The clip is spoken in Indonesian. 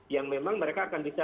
yang memang mereka akan bisa